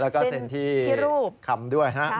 แล้วก็เซนที่รูปเซนที่คำด้วยนะครับ